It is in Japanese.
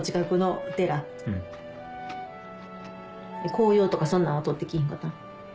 紅葉とかそんなんは撮ってきぃひんかった？